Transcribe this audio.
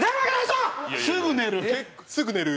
すぐ寝る！